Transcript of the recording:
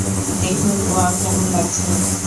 দেখুন ওয়াও কেমন লাগছে?